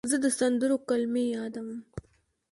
زه د سندرو کلمې یادوم.